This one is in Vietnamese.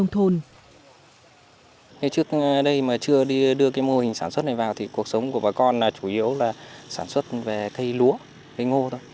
trước đây mà chưa đưa cái mô hình sản xuất này vào thì cuộc sống của bà con là chủ yếu là sản xuất về cây lúa cây ngô thôi